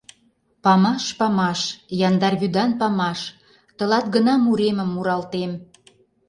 Памаш, памаш, яндар вӱдан памаш, Тылат гына муремым муралтем.